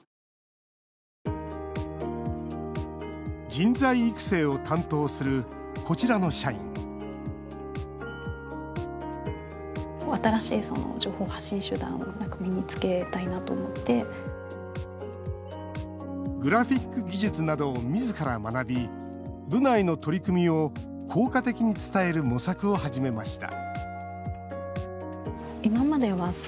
人材育成を担当するこちらの社員グラフィック技術などを自ら学び、部内の取り組みを効果的に伝える模索を始めました